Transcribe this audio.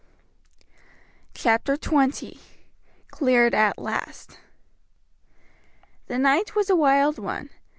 CHAPTER XX: CLEARED AT LAST. The night was a wild one.